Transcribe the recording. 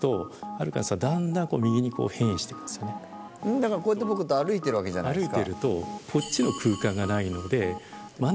だからこうやって僕と歩いてるわけじゃないですか。